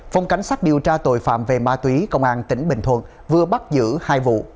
phòng cảnh sát điều tra tội phạm về ma túy công an tỉnh bình thuận vừa bắt giữ hai vụ